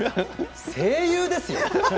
声優ですよ。